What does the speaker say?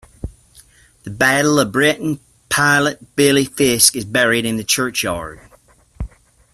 The Battle of Britain Pilot Billy Fiske is buried in the churchyard.